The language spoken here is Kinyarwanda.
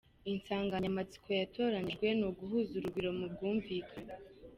Insanganyamatsiko yatoranijwe ni Uguhuza Urugwiro Mu Bwumvikane?.